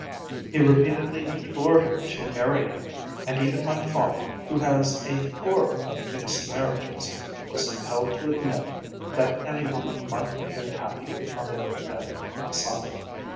He repeatedly implored her to marry him, and even my father, who has a horror of mixed marriages, was impelled to admit that any woman might have been happy with Ahmed Ben Hassan.